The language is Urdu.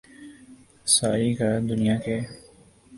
ساری کا دنیا کے